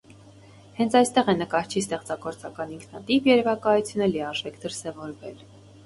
Հենց այստեղ է նկարչի ստեղծագործական ինքնատիպ երևակայությունը լիարժեք դրսևորվել։